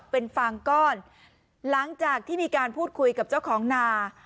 เป็นฟางก้อนหลังจากที่มีการพูดคุยกับเจ้าของนา